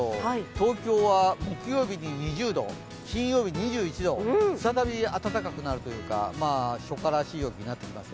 東京は木曜日に２０度、金曜日、２１度、再び暖かくなるというか初夏らしい気温になります。